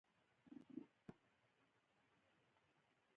هغوی د سپین خوبونو د لیدلو لپاره ناست هم وو.